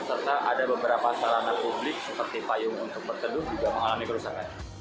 serta ada beberapa sarana publik seperti payung untuk berteduh juga mengalami kerusakan